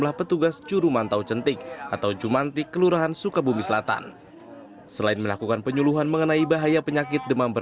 ya berurah setiap bulan setiap minggu juga setiap minggu sekali